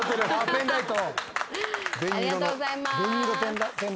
ペンライト。